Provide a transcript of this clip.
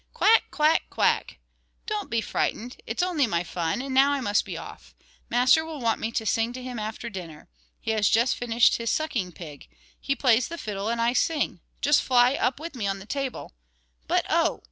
Quack, quack, quack. Don't be frightened, it's only my fun; and now I must be off, master will want me to sing to him after dinner. He has just finished his sucking pig; he plays the fiddle and I sing. Just fly up with me on the table; but, oh!